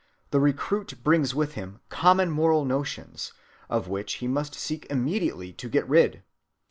The recruit brings with him common moral notions, of which he must seek immediately to get rid.